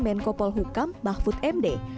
menko polhukam mahfud md